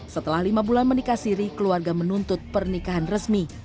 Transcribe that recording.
setelah lima bulan menikah siri keluarga menuntut pernikahan resmi